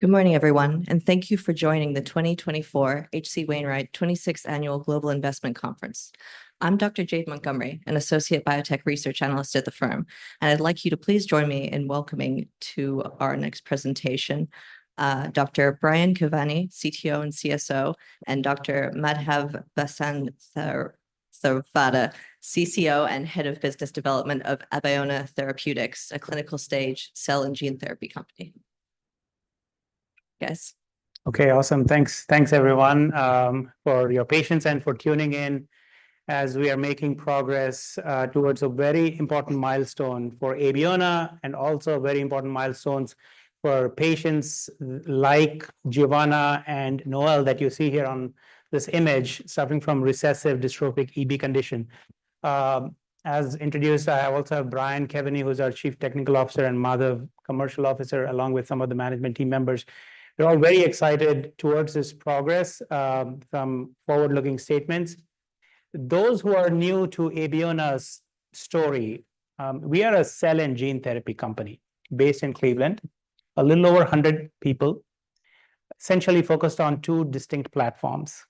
Good morning, everyone, and thank you for joining the 2024 H.C. Wainwright 26th Annual Global Investment Conference. I'm Dr. Jade Montgomery, an associate biotech research analyst at the firm, and I'd like you to please join me in welcoming to our next presentation, Dr. Brian Kevany, CTO and CSO, and Dr. Madhav Vasanthavada, CCO and Head of Business Development of Abeona Therapeutics, a clinical-stage cell and gene therapy company. Okay, awesome. Thanks. Thanks, everyone, for your patience and for tuning in as we are making progress towards a very important milestone for Abeona and also very important milestones for patients like Giovanna and Noel that you see here on this image, suffering from recessive dystrophic EB condition. As introduced, I also have Brian Kevany, who's our Chief Technical Officer, and Madhav, Chief Commercial Officer, along with some of the management team members. They're all very excited towards this progress, some forward-looking statements. Those who are new to Abeona's story, we are a cell and gene therapy company based in Cleveland. A little over a hundred people, essentially focused on two distinct platforms.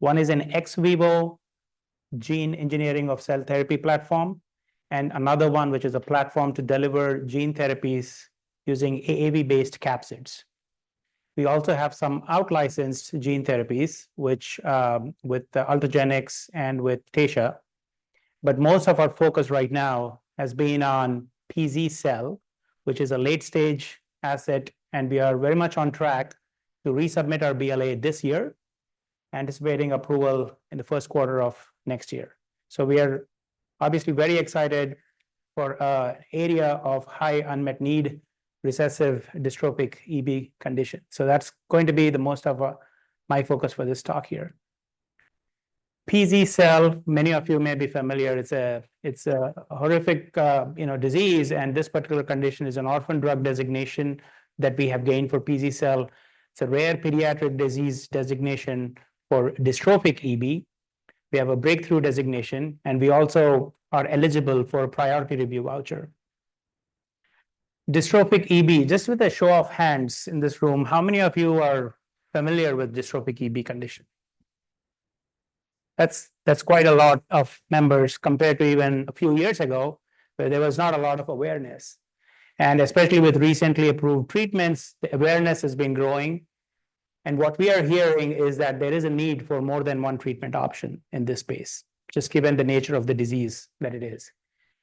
One is an ex vivo gene engineering of cell therapy platform, and another one, which is a platform to deliver gene therapies using AAV-based capsids. We also have some out-licensed gene therapies, which with Ultragenyx and with Taysha, but most of our focus right now has been on Pz-cel, which is a late-stage asset, and we are very much on track to resubmit our BLA this year, anticipating approval in the first quarter of next year. So we are obviously very excited for an area of high unmet need, recessive dystrophic EB condition. So that's going to be the most of my focus for this talk here. Pz-cel, many of you may be familiar, it's a horrific disease, and this particular condition is an orphan drug designation that we have gained for Pz-cel. It's a rare pediatric disease designation for dystrophic EB. We have a breakthrough designation, and we also are eligible for a priority review voucher. Dystrophic EB, just with a show of hands in this room, how many of you are familiar with dystrophic EB condition? That's, that's quite a lot of members compared to even a few years ago, where there was not a lot of awareness. And especially with recently approved treatments, the awareness has been growing, and what we are hearing is that there is a need for more than one treatment option in this space, just given the nature of the disease that it is.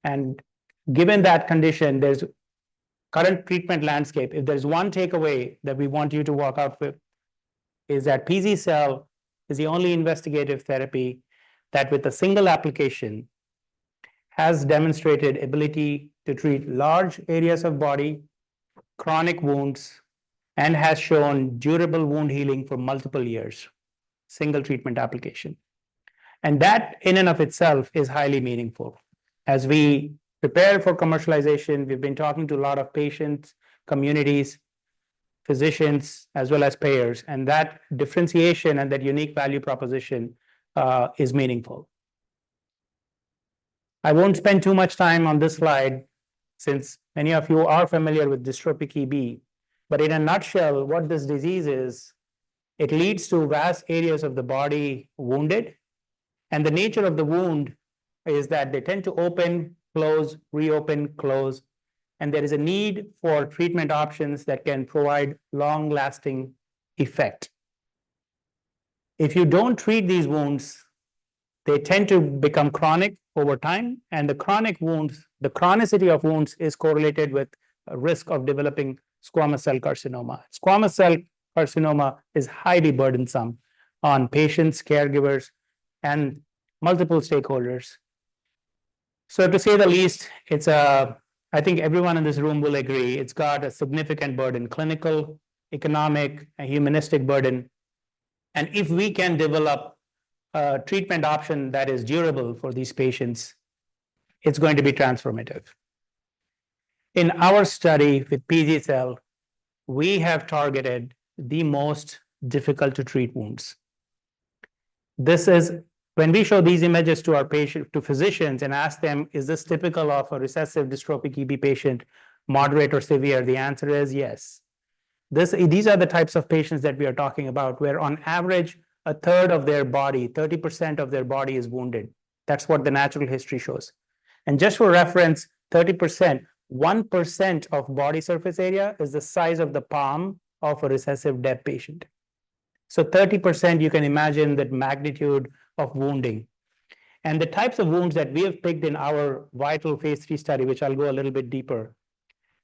And given that condition, there's current treatment landscape. If there's one takeaway that we want you to walk out with, it is that Pz-cel is the only investigational therapy that, with a single application, has demonstrated ability to treat large areas of body, chronic wounds, and has shown durable wound healing for multiple years. Single treatment application. And that, in and of itself, is highly meaningful. As we prepare for commercialization, we've been talking to a lot of patients, communities, physicians, as well as payers, and that differentiation and that unique value proposition is meaningful. I won't spend too much time on this slide since many of you are familiar with dystrophic EB, but in a nutshell, what this disease is, it leads to vast areas of the body wounded, and the nature of the wound is that they tend to open, close, reopen, close, and there is a need for treatment options that can provide long-lasting effect. If you don't treat these wounds, they tend to become chronic over time, and the chronic wounds, the chronicity of wounds is correlated with a risk of developing squamous cell carcinoma. Squamous cell carcinoma is highly burdensome on patients, caregivers, and multiple stakeholders. So to say the least, it's, I think everyone in this room will agree, it's got a significant burden, clinical, economic, a humanistic burden, and if we can develop a treatment option that is durable for these patients, it's going to be transformative. In our study with Pz-cel, we have targeted the most difficult-to-treat wounds. This is, when we show these images to our patient, to physicians and ask them: "Is this typical of a recessive dystrophic EB patient, moderate or severe?" The answer is yes. This, these are the types of patients that we are talking about, where on average, 1/3 of their body, 30% of their body, is wounded. That's what the natural history shows. And just for reference, 30%, 1% of body surface area is the size of the palm of a recessive DEB patient. 30% you can imagine the magnitude of wounding. The types of wounds that we have picked in our pivotal phase III study, which I'll go a little bit deeper,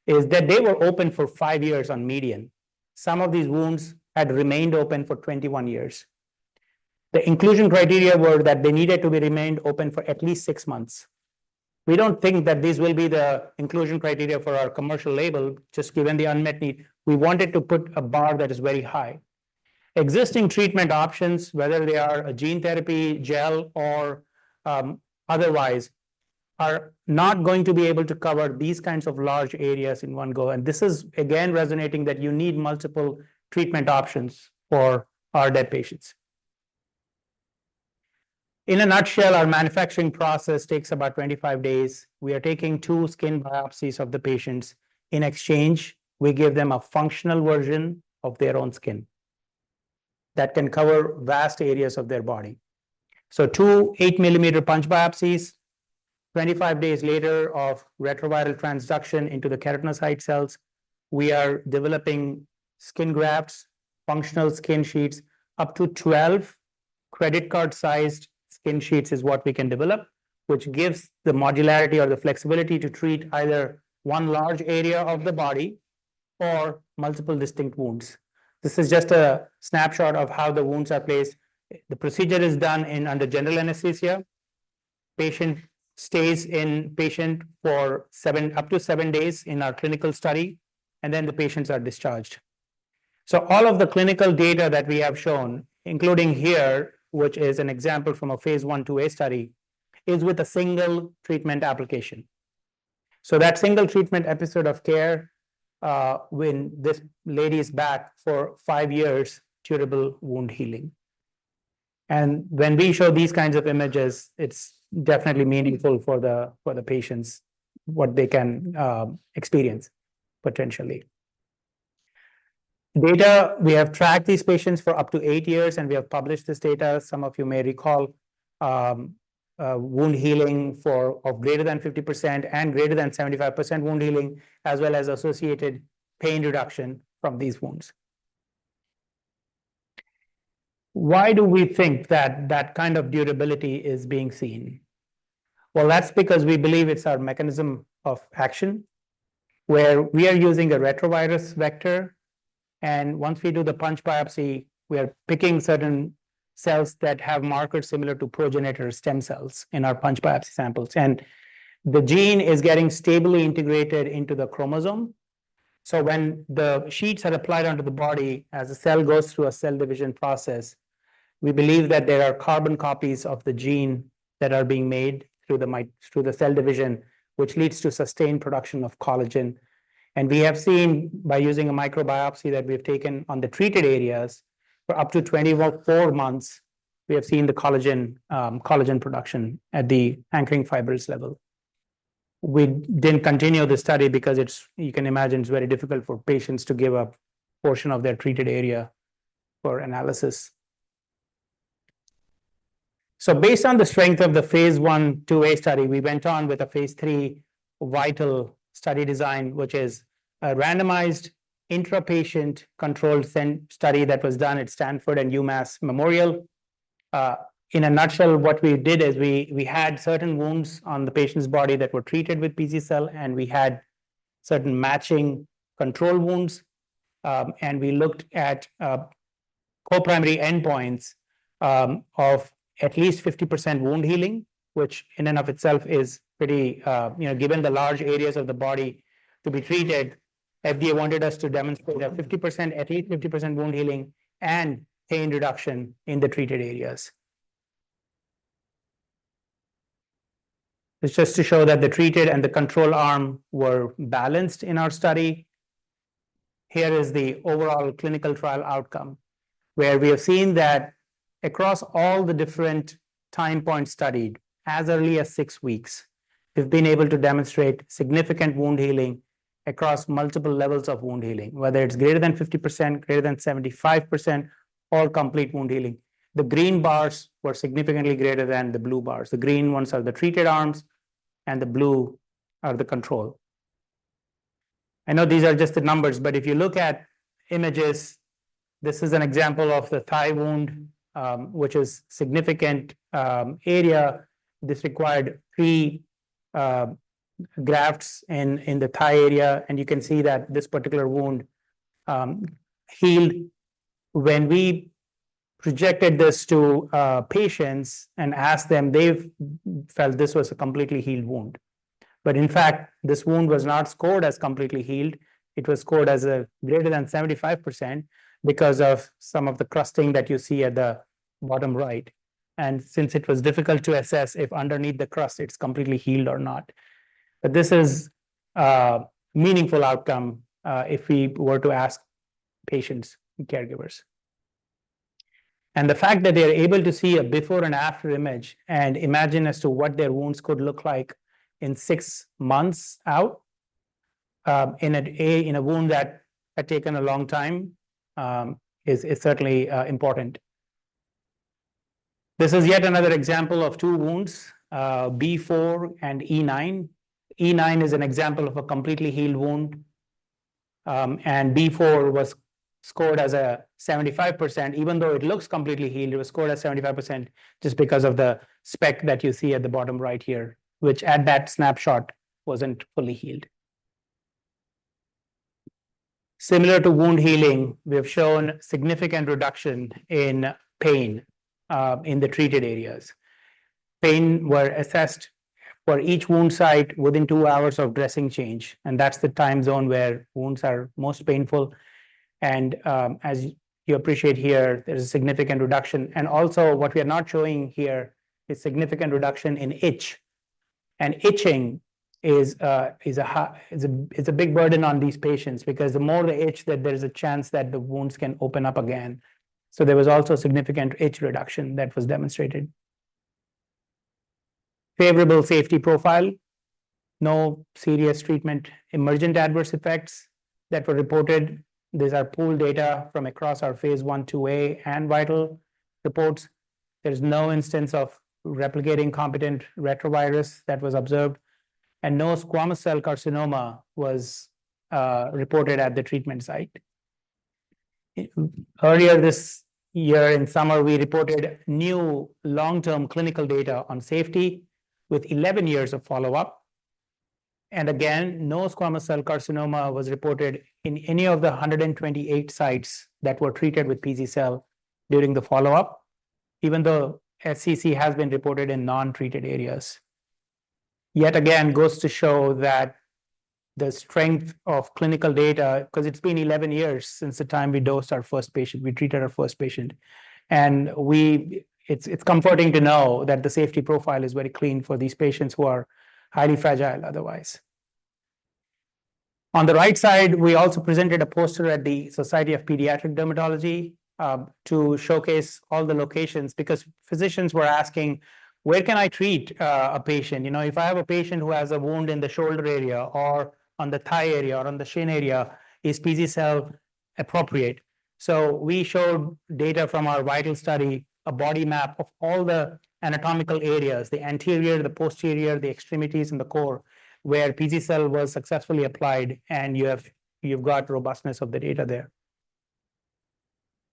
is that they were open for five years median. Some of these wounds had remained open for 21 years. The inclusion criteria were that they needed to be remained open for at least six months. We don't think that this will be the inclusion criteria for our commercial label, just given the unmet need. We wanted to put a bar that is very high. Existing treatment options, whether they are a gene therapy, gel, or otherwise, are not going to be able to cover these kinds of large areas in one go, and this is, again, resonating that you need multiple treatment options for our DEB patients. In a nutshell, our manufacturing process takes about twenty-five days. We are taking two skin biopsies of the patients. In exchange, we give them a functional version of their own skin that can cover vast areas of their body. So two 8 mm punch biopsies, 25 days later of retroviral transduction into the keratinocyte cells, we are developing skin grafts, functional skin sheets. Up to 12 credit card-sized skin sheets is what we can develop, which gives the modularity or the flexibility to treat either one large area of the body or multiple distinct wounds. This is just a snapshot of how the wounds are placed. The procedure is done under general anesthesia. Patient stays inpatient for up to seven days in our clinical study, and then the patients are discharged. So all of the clinical data that we have shown, including here, which is an example from a phase I to II-A study, is with a single treatment application. That single treatment episode of care, when this lady is back for five years, curable wound healing. When we show these kinds of images, it's definitely meaningful for the patients, what they can experience potentially. We have tracked these patients for up to eight years, and we have published this data. Some of you may recall wound healing of greater than 50% and greater than 75% wound healing, as well as associated pain reduction from these wounds. Why do we think that kind of durability is being seen? That's because we believe it's our mechanism of action, where we are using a retrovirus vector, and once we do the punch biopsy, we are picking certain cells that have markers similar to progenitor stem cells in our punch biopsy samples. The gene is getting stably integrated into the chromosome. So when the sheets are applied onto the body, as a cell goes through a cell division process, we believe that there are carbon copies of the gene that are being made through the cell division, which leads to sustained production of collagen. We have seen, by using a microbiopsy that we've taken on the treated areas, for up to 24 months, we have seen the collagen production at the anchoring fibers level. We didn't continue the study because it's very difficult for patients to give a portion of their treated area for analysis. Based on the strength of the phase I to II-A study, we went on with a phase III pivotal study design, which is a randomized intra-patient controlled study that was done at Stanford and UMass Memorial. In a nutshell, what we did is we had certain wounds on the patient's body that were treated with Pz-cel, and we had certain matching control wounds, and we looked at co-primary endpoints of at least 50% wound healing, which in and of itself is pretty, you know, given the large areas of the body to be treated. FDA wanted us to demonstrate a 50%, at least 50% wound healing and pain reduction in the treated areas. It's just to show that the treated and the control arm were balanced in our study. Here is the overall clinical trial outcome, where we have seen that across all the different time points studied, as early as six weeks, we've been able to demonstrate significant wound healing across multiple levels of wound healing, whether it's greater than 50%, greater than 75%, or complete wound healing. The green bars were significantly greater than the blue bars. The green ones are the treated arms, and the blue are the control. I know these are just the numbers, but if you look at images, this is an example of the thigh wound, which is significant area. This required three grafts in the thigh area, and you can see that this particular wound healed. When we projected this to patients and asked them, they've felt this was a completely healed wound. But in fact, this wound was not scored as completely healed. It was scored as a greater than 75% because of some of the crusting that you see at the bottom right, and since it was difficult to assess if underneath the crust, it's completely healed or not. But this is a meaningful outcome if we were to ask patients and caregivers. And the fact that they are able to see a before and after image and imagine as to what their wounds could look like in six months out, in a wound that had taken a long time is certainly important. This is yet another example of two wounds, B4 and E9. E9 is an example of a completely healed wound, and B4 was scored as a 75%. Even though it looks completely healed, it was scored as 75% just because of the speck that you see at the bottom right here, which at that snapshot, wasn't fully healed. Similar to wound healing, we have shown significant reduction in pain in the treated areas. Pain were assessed for each wound site within two hours of dressing change, and that's the time zone where wounds are most painful. As you appreciate here, there's a significant reduction. Also, what we are not showing here is significant reduction in itch, and itching is a big burden on these patients because the more they itch, that there is a chance that the wounds can open up again. So there was also significant itch reduction that was demonstrated. Favorable safety profile, no serious treatment-emergent adverse effects that were reported. These are pooled data from across our phase I to II-A and VIITAL reports. There's no instance of replicating competent retrovirus that was observed, and no squamous cell carcinoma was reported at the treatment site. Earlier this year, in summer, we reported new long-term clinical data on safety with 11 years of follow-up. And again, no squamous cell carcinoma was reported in any of the 128 sites that were treated with Pz-cel during the follow-up, even though SCC has been reported in non-treated areas. Yet again, goes to show that the strength of clinical data, 'cause it's been 11 years since the time we dosed our first patient, we treated our first patient, and it's comforting to know that the safety profile is very clean for these patients who are highly fragile otherwise. On the right side, we also presented a poster at the Society of Pediatric Dermatology to showcase all the locations, because physicians were asking: "Where can I treat a patient? You know, if I have a patient who has a wound in the shoulder area or on the thigh area or on the shin area, is Pz-cel appropriate?" So we showed data from our VIITAL study, a body map of all the anatomical areas, the anterior, the posterior, the extremities, and the core, where Pz-cel was successfully applied, and you've got robustness of the data there.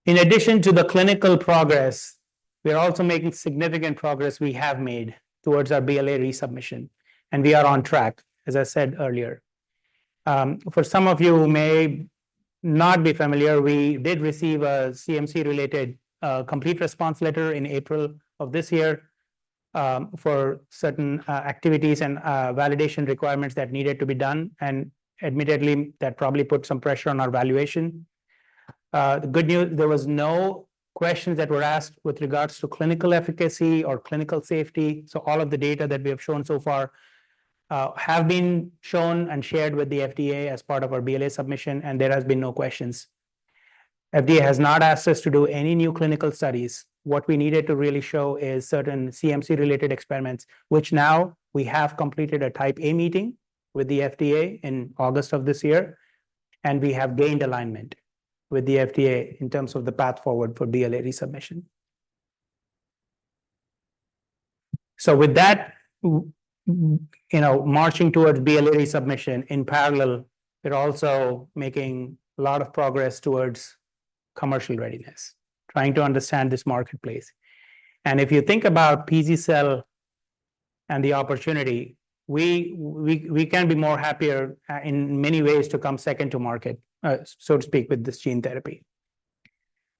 In addition to the clinical progress, we have made significant progress towards our BLA resubmission, and we are on track, as I said earlier. For some of you who may not be familiar, we did receive a CMC-related complete response letter in April of this year, for certain activities and validation requirements that needed to be done, and admittedly, that probably put some pressure on our valuation. The good news, there was no questions that were asked with regards to clinical efficacy or clinical safety, so all of the data that we have shown so far have been shown and shared with the FDA as part of our BLA submission, and there has been no questions. FDA has not asked us to do any new clinical studies. What we needed to really show is certain CMC-related experiments, which now we have completed a Type A meeting with the FDA in August of this year, and we have gained alignment with the FDA in terms of the path forward for BLA resubmission. So with that, you know, marching towards BLA resubmission, in parallel, we're also making a lot of progress towards commercial readiness, trying to understand this marketplace. And if you think about Pz-cel and the opportunity, we can be more happier in many ways to come second to market, so to speak, with this gene therapy.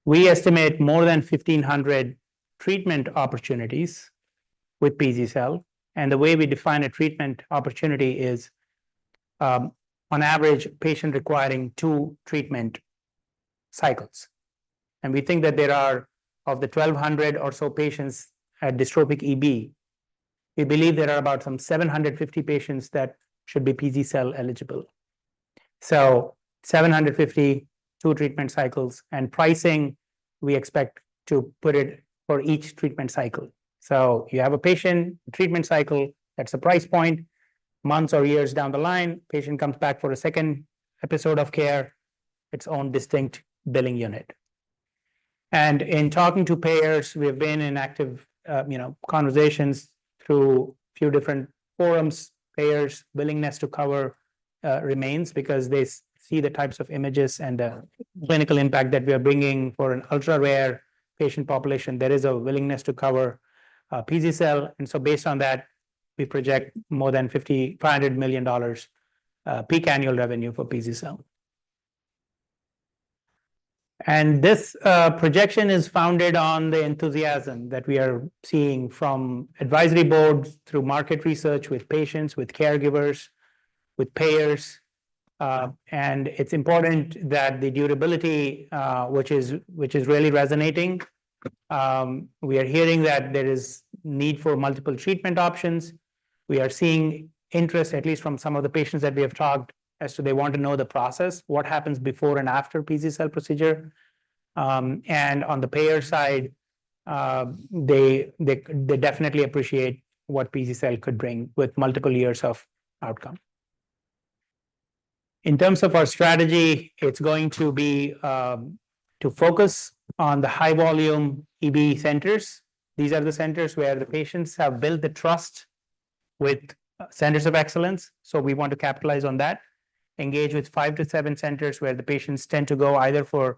We estimate more than 1,500 treatment opportunities with Pz-cel, and the way we define a treatment opportunity is, on average, patient requiring two treatment cycles. We think that there are, of the 1,200 or so patients with dystrophic EB, we believe there are about 750 patients that should be Pz-cel-eligible. 750, two treatment cycles, and pricing, we expect to put it for each treatment cycle. You have a patient, treatment cycle, that's a price point. Months or years down the line, patient comes back for a second episode of care, its own distinct billing unit. In talking to payers, we have been in active, you know, conversations through a few different forums. Payers' willingness to cover remains because they see the types of images and the clinical impact that we are bringing for an ultra-rare patient population. There is a willingness to cover Pz-cel, and so based on that, we project more than $550 million peak annual revenue for Pz-cel, and this projection is founded on the enthusiasm that we are seeing from advisory boards, through market research, with patients, with caregivers, with payers. And it's important that the durability, which is really resonating, we are hearing that there is need for multiple treatment options. We are seeing interest, at least from some of the patients that we have talked as to they want to know the process, what happens before and after Pz-cel procedure. And on the payer side, they definitely appreciate what Pz-cel could bring with multiple years of outcome. In terms of our strategy, it's going to be to focus on the high-volume EB centers. These are the centers where the patients have built the trust with centers of excellence, so we want to capitalize on that, engage with five to seven centers where the patients tend to go, either for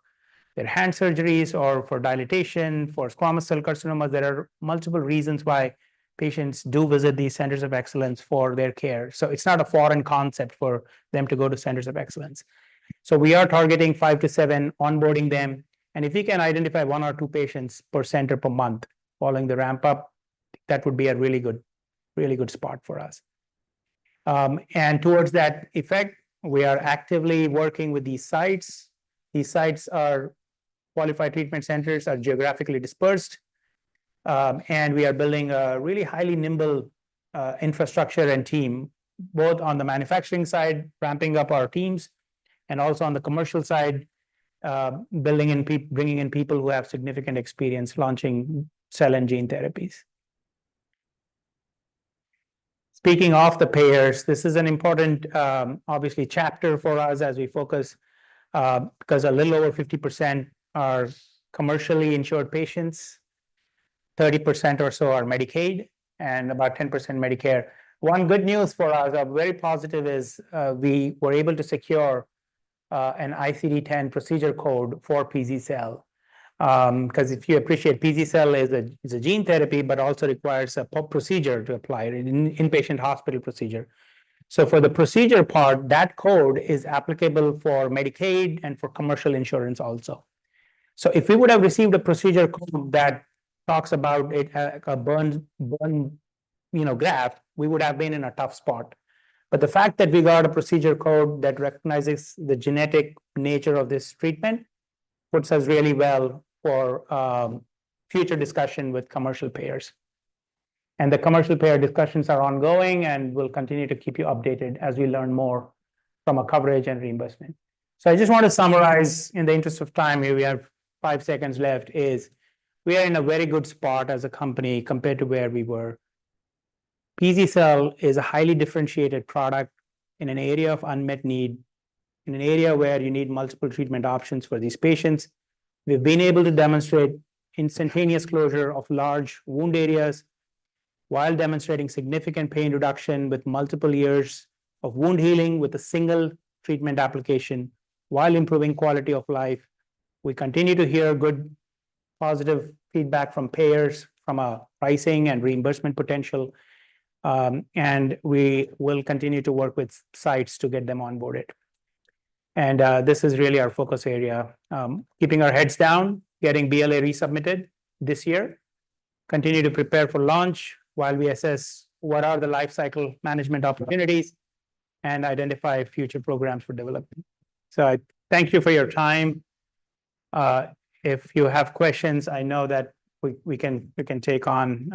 their hand surgeries or for dilatation, for squamous cell carcinomas. There are multiple reasons why patients do visit these centers of excellence for their care. So it's not a foreign concept for them to go to centers of excellence. So we are targeting five to seven, onboarding them, and if we can identify one or two patients per center per month following the ramp up, that would be a really good, really good spot for us and towards that effect, we are actively working with these sites. These sites are qualified treatment centers, are geographically dispersed, and we are building a really highly nimble infrastructure and team, both on the manufacturing side, ramping up our teams, and also on the commercial side, bringing in people who have significant experience launching cell and gene therapies. Speaking of the payers, this is an important, obviously, chapter for us as we focus, because a little over 50% are commercially insured patients, 30% or so are Medicaid, and about 10% Medicare. One good news for us, are very positive, is we were able to secure an ICD-10 procedure code for Pz-cel. Because if you appreciate, Pz-cel is a gene therapy, but also requires a procedure to apply it, an inpatient hospital procedure. So for the procedure part, that code is applicable for Medicaid and for commercial insurance also. So if we would have received a procedure code that talks about it, a burn, you know, graft, we would have been in a tough spot. But the fact that we got a procedure code that recognizes the genetic nature of this treatment puts us really well for future discussion with commercial payers. And the commercial payer discussions are ongoing, and we'll continue to keep you updated as we learn more from a coverage and reimbursement. So I just want to summarize in the interest of time here, we have five seconds left, is we are in a very good spot as a company compared to where we were. Pz-cel is a highly differentiated product in an area of unmet need, in an area where you need multiple treatment options for these patients. We've been able to demonstrate instantaneous closure of large wound areas while demonstrating significant pain reduction with multiple years of wound healing, with a single treatment application while improving quality of life. We continue to hear good, positive feedback from payers from our pricing and reimbursement potential, and we will continue to work with sites to get them onboarded. And this is really our focus area. Keeping our heads down, getting BLA resubmitted this year, continue to prepare for launch while we assess what are the lifecycle management opportunities and identify future programs for development. So I thank you for your time. If you have questions, I know that we can take on-